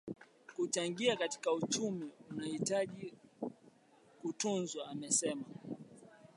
kuchangia katika uchumi wanahitaji kutunzwa Amesema